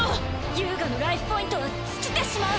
遊我のライフポイントは尽きてしまう！